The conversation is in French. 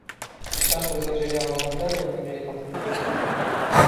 À charge pour les ingénieurs argentins d'y intégrer les parties mécaniques désirées.